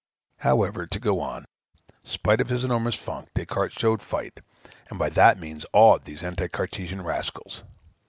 However, to go on; spite of his enormous funk, Des Cartes showed fight, and by that means awed these Anti Cartesian rascals.